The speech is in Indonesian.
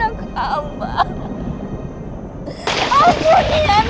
apalagi tuju syurga kirim